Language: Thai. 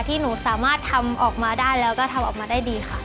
ที่หนูสามารถทำออกมาได้แล้วก็ทำออกมาได้ดีค่ะ